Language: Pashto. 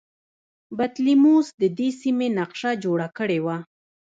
بطلیموس د دې سیمې نقشه جوړه کړې وه